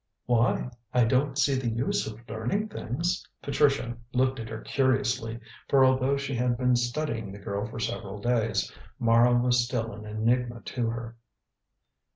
"Why? I don't see the use of learning things." Patricia looked at her curiously, for although she had been studying the girl for several days, Mara was still an enigma to her.